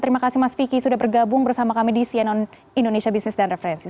terima kasih mas vicky sudah bergabung bersama kami di cnn indonesia business dan referensi